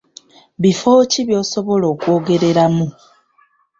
Bifo ki by’osobola okwogereramu